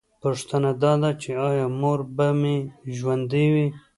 پوښتنه دا ده چې ایا مور به مې ژوندۍ وي